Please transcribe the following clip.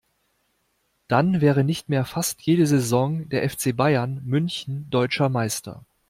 Dann wäre nicht mehr fast jede Saison der FC Bayern München deutscher Meister.